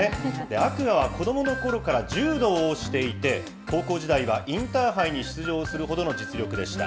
天空海は子どものころから柔道をしていて、高校時代はインターハイに出場するほどの実力でした。